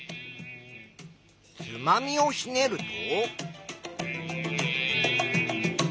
つまみをひねると。